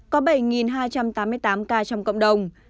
có bảy hai trăm tám mươi tám ca trong cộng đồng